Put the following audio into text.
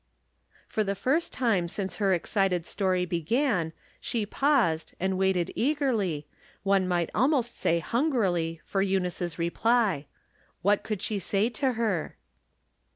337 For the first time since her excited story began she paused, and waited eagerly, one might al most say hungrily, for Eunice's reply. What could she say to her